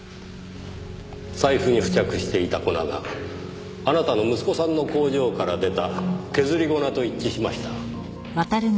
財布に付着していた粉があなたの息子さんの工場から出た削り粉と一致しました。